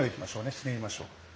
ひねりましょう。